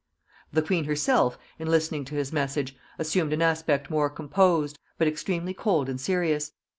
The queen herself, in listening to his message, assumed an aspect more composed, but extremely cold and serious.